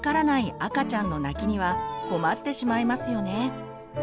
赤ちゃんの泣きには困ってしまいますよね。